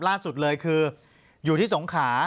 ล่าสุดเลยคืออยู่ที่สงขา